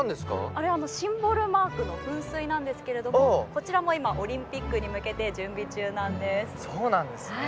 あれはシンボルマークの噴水なんですけどこちらも今、オリンピックに向けて準備中なんです。